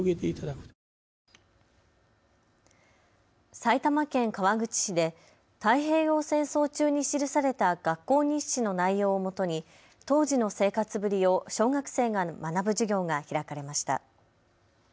埼玉県川口市で太平洋戦争中に記された学校日誌の内容をもとに当時の生活ぶりを小学生が学ぶ授業が開かれました。